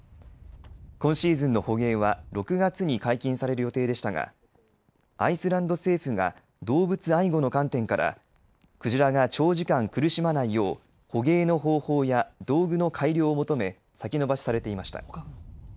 今シーズンの捕鯨は６月に解禁される予定でしたがアイスランド政府が動物愛護の観点から鯨が長時間苦しまないよう捕鯨の方法や道具の改良を求め先延ばしされていました。